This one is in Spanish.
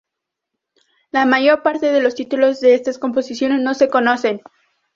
La mayor parte de los títulos de estas composiciones no se conocen.